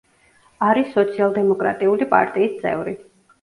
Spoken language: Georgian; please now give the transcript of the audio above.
არის სოციალ-დემოკრატიული პარტიის წევრი.